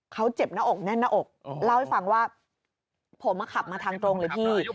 เขาเจ็บหน้าอกแน่นหน้าอกเล่าให้ฟังว่าผมขับมาทางตรงเลยพี่